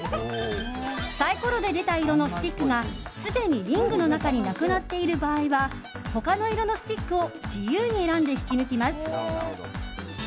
サイコロで出た色のスティックがすでにリングの中になくなっている場合は他の色のスティックを自由に選んで引き抜きます。